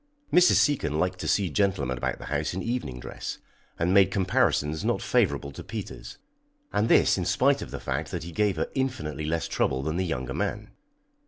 Mrs. Seacon liked to see gentlemen about the house in evening dress, and made comparisons not favourable to Peters. And this in spite of the fact that he gave her infinitely less trouble than the younger man.